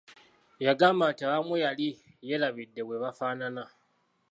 Yagamba nti abamu yali yeerabidde bwe bafaanana.